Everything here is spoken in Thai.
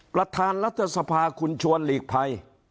ประธานรัฐสภาคุณชวนหลีกภัย